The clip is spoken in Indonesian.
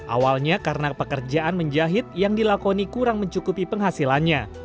awalnya karena pekerjaan menjahit yang dilakoni kurang mencukupi penghasilannya